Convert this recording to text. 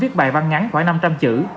viết bài văn ngắn khoảng năm trăm linh chữ